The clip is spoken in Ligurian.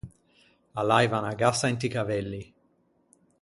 A l’aiva unna gassa inti cavelli.